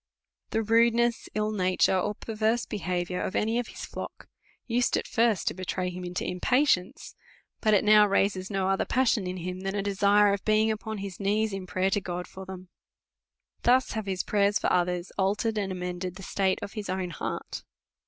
297 The rudeness, ill nature, or perverse behaviour of any of his flock, used at first to betray him into impatience ; but it now raises no other passion in him, than a de sire of being upon his knees in prayer to God for them. Thus have his prayers for others altered and amend ed the state of his own heart.